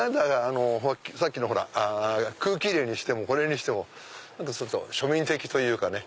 さっきの空気入れにしてもこれにしても庶民的というかね。